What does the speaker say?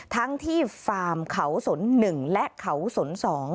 ทั้งที่ฟาร์มเขาสน๑และเขาสน๒